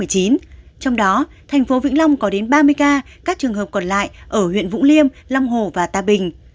trong đó thành phố vĩnh long có đến ba mươi ca các trường hợp còn lại ở huyện vũng liêm long hồ và tà bình